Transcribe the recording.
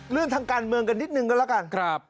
เรื่องทางการเมืองกันนิดนึงก็แล้วกัน